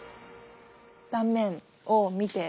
断面を見て。